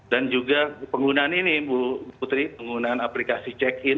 dan juga penggunaan ini bu putri penggunaan aplikasi check in